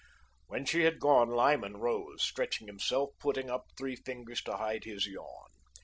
When she had gone, Lyman rose, stretching himself putting up three fingers to hide his yawn.